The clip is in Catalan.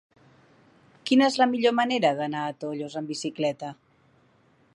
Quina és la millor manera d'anar a Tollos amb bicicleta?